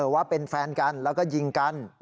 ว่าเป็นแฟนกันแล้วก็ยิงกัน